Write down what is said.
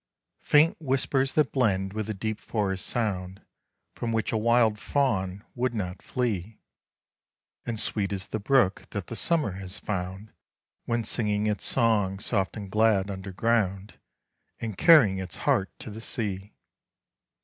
Faint whispers that blend with the deep forest's sound, From which a wild fawn would not flee, And sweet as the brook that the summer has found, When singing its song soft and glad underground, And carrying its heart to the sea....